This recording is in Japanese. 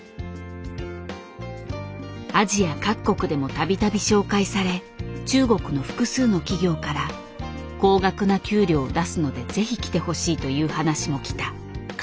アジア各国でも度々紹介され中国の複数の企業から高額な給料を出すので是非来てほしいという話もきた。